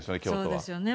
そうですよね。